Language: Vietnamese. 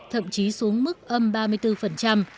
thậm chí xuống mức âm ba mươi bốn